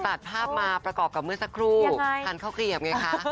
ตัดภาพมาประกอบกับเมื่อสักครู่ทานข้าวเกลียบไงคะ